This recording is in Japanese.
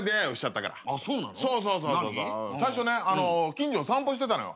最初ね近所を散歩してたのよ。